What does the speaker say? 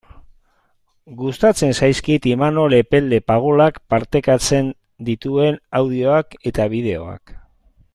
Gustatzen zaizkit Imanol Epelde Pagolak partekatzen dituen audioak eta bideoak.